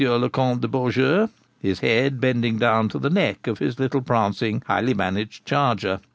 le Comte de Beaujeu, his head bending down to the neck of his little prancing highly managed charger.